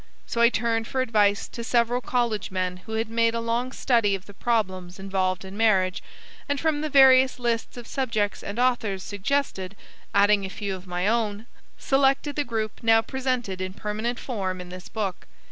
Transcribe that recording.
So I turned for advice to several college men who had made a long study of the problems involved in marriage, and from the various lists of subjects and authors suggested adding a few of my own selected the group now presented in permanent form in this book.